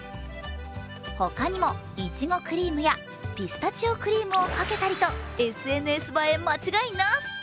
他にも、いちごクリームやピスタチオクリームをかけたりとＳＮＳ映え間違いなし。